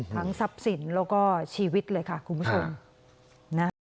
ทรัพย์สินแล้วก็ชีวิตเลยค่ะคุณผู้ชมนะ